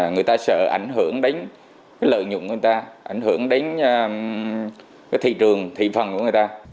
người ta sợ ảnh hưởng đến lợi nhuận của người ta ảnh hưởng đến thị trường thị phần của người ta